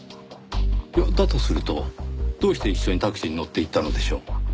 だとするとどうして一緒にタクシーに乗って行ったのでしょう？